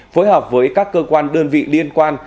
phối hợp với các cơ quan đơn vị liên quan